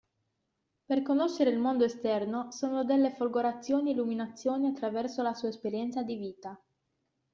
Per conoscere il mondo esterno sono delle folgorazioni e illuminazioni attraverso la sua esperienza di vita.